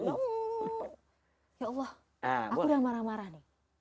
ya allah aku udah marah marah nih